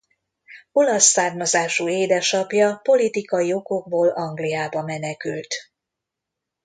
Olasz származású édesapja politikai okokból Angliába menekült.